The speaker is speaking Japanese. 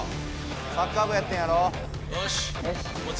サッカー部やってんやろ？